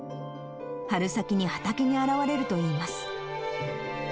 春先に畑に現れるといいます。